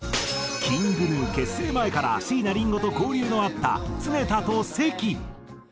ＫｉｎｇＧｎｕ結成前から椎名林檎と交流のあった常田と勢喜。